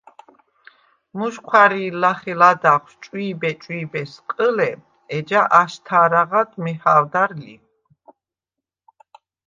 მუჟჴვარი̄ლ ლახე ლადაღშვ “ჭვი̄ბე-ჭვი̄ბე”-ს ყჷლე, ეჯა აშთა̄რაღად მეჰა̄ვდარ ლი.